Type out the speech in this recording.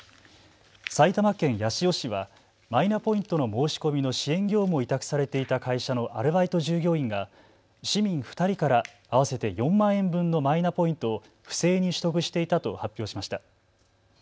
埼玉県八潮市はマイナポイントの申し込みの支援業務を委託されていた会社のアルバイト従業員が市民２人から合わせて４万円分のマイナポイントを不正に取得していたと発表しました。